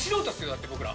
だって僕ら。